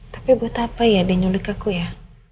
tapi buat apa ya dia nyulik aku ya